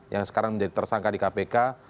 yang sekarang menjadi tersangka di kpk